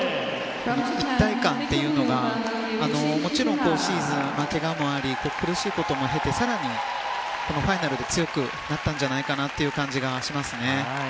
一体感というのがもちろん、今シーズン怪我もあり苦しいことも経て更にこのファイナルで強くなったんじゃないかなという感じがしますね。